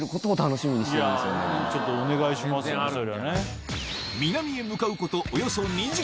ちょっとお願いしますよ。